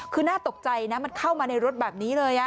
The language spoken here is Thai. คือน่าตกใจนะมันเข้ามาในรถแบบนี้เลย